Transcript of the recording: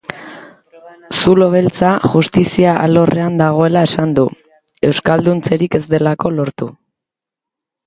Zulo beltza justizia alorrean dagoela esan du, euskalduntzerik ez delako lortu.